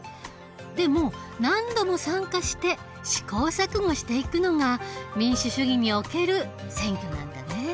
でも何度も参加して試行錯誤していくのが民主主義における選挙なんだね。